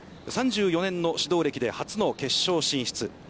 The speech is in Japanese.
３４年の指導歴で、初の決勝進出。